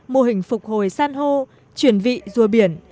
mô hình phục hồi san hô chuyển vị rùa biển